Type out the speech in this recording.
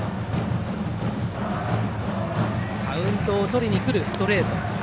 カウントを取りにくるストレート。